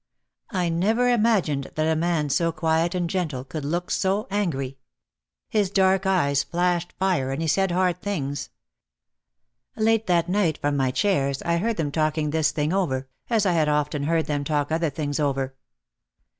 I never imagined that a man so quiet and gentle could look so angry. His dark eyes flashed fire and he said hard things. Late that night from my chairs I heard them talking this thing over, as I had often heard them talk other things over.